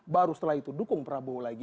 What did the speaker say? baru setelah itu dukung prabowo lagi